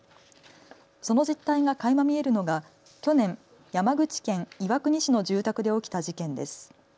その実態がかいま見えるのが去年、山口県岩国市の住宅で起きた事件です。